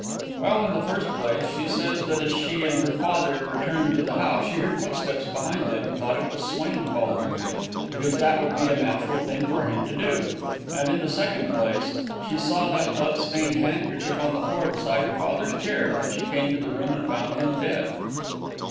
"Well, in the first place, she says that as she and her father returned to the house, she heard footsteps behind them and thought it was Swain following them, because that would be a natural thing for him to do; and, in the second place, she saw that blood stained handkerchief on the floor beside her father's chair when she came into the room and found him dead."